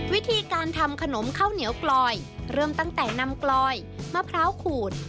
วิธีการทำขนมข้าวเหนียวกลอยเริ่มตั้งแต่นำกลอยมะพร้าวขูด